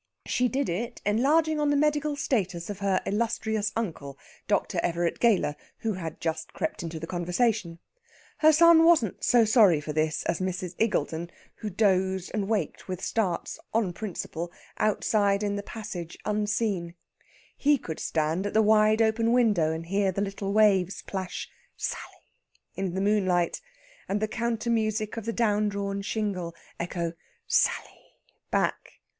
She did it enlarging on the medical status of her illustrious uncle, Dr. Everett Gayler, who had just crept into the conversation. Her son wasn't so sorry for this as Mrs. Iggulden, who dozed and waked with starts, on principle, outside in the passage unseen. He could stand at the wide open window, and hear the little waves plash "Sally" in the moonlight, and the counter music of the down drawn shingle echo "Sally" back.